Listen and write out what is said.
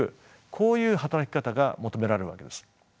こういう働き方が求められるわけです。